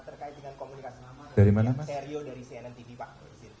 terkait dengan komunikasi nama dan seri dari cnn tv pak